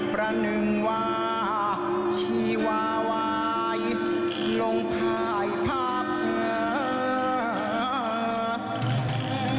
ประหนึ่งวาชีวาวายลงพายพัก